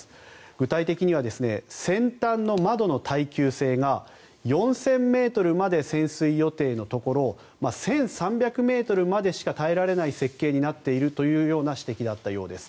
具体的には先端の窓の耐久性が４０００ｍまで潜水予定のところ１３００ｍまでしか耐えられない設計になっているというような指摘だったようです。